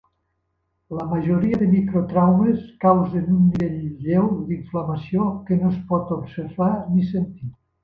La majoria de microtraumes causen un nivell lleu d'inflamació que no es pot observar ni sentir.